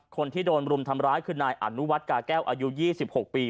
คนที่โดนรุมทำร้ายคือนายอนุวัติกาแก้วอายุ๒๖ปี